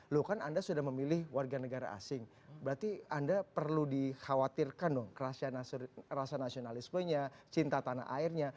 loh kan anda sudah memilih warga negara asing berarti anda perlu dikhawatirkan dong rasa nasionalismenya cinta tanah airnya